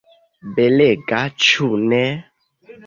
Belega, ĉu ne?